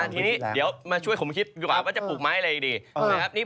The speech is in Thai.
ทีนี้เดี๋ยวมาช่วยผมคิดว่าจะปลูกไม้อะไรดี